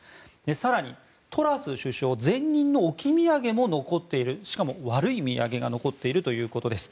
更に、トラス首相前任の置き土産も残っているしかも、悪い土産が残っているということです。